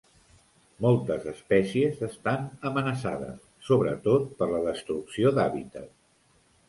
Moltes espècies estan amenaçades, sobretot per la destrucció d'hàbitat.